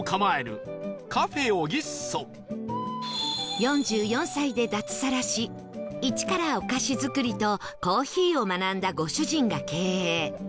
４４歳で脱サラし一からお菓子作りとコーヒーを学んだご主人が経営